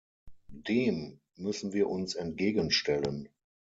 Dem müssen wir uns entgegenstellen.